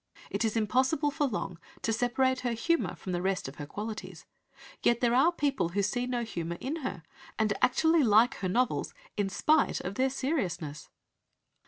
It is impossible for long to separate her humour from the rest of her qualities. Yet there are people who see no humour in her, and actually like her novels in spite of their "seriousness